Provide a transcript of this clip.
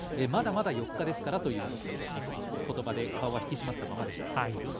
まだまだ４日ですからということばで、顔が引き締まったままでした。